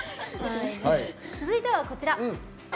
続いては、こちら。